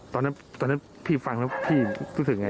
ตอนนั้นพี่ฟังแล้วพี่รู้สึกไง